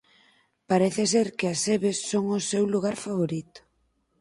Parece ser que as sebes son o seu lugar favorito.